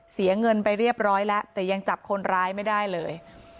เสียเงินไปเรียบร้อยแล้วแต่ยังจับคนร้ายไม่ได้เลย